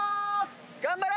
頑張れ！